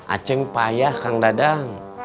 acing payah kang dadang